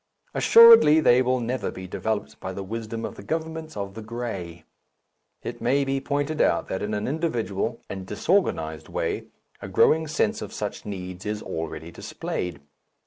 Assuredly they will never be developed by the wisdom of the governments of the grey. It may be pointed out that in an individual and disorganized way a growing sense of such needs is already displayed.